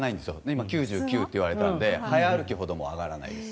今、９９と言われたので早歩きほど上がらないです。